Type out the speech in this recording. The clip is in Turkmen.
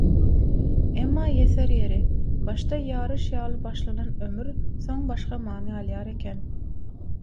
Emma ýeser ýeri, başda ýaryş ýaly başlanan ömür, soň başga many alýar eken.